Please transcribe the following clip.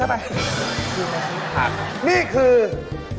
อักบินหนีขอบคุณครับ